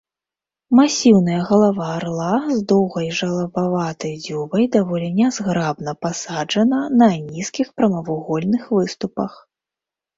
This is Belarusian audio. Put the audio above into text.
Масіўная галава арла з доўгай жалабаватай дзюбай даволі нязграбна пасаджана на нізкіх прамавугольных выступах.